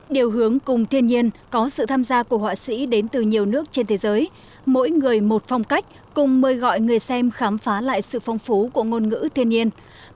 điều hướng cùng thiên nhiên có sự tham gia của họa sĩ đến từ nhiều nước trên thế giới mỗi người một phong cách cùng mời gọi người xem khám phá lại sự phong phú của ngôn ngữ thiên nhiên